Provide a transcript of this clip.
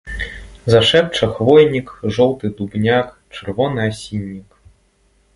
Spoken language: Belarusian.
Зашэпча хвойнік, жоўты дубняк, чырвоны асіннік.